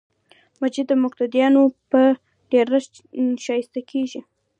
مسجد د مقتدیانو په ډېرښت ښایسته کېږي.